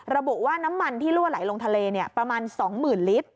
ระบุว่าน้ำมันที่ลั่วไหลลงทะเลเนี่ยประมาณสองหมื่นลิตร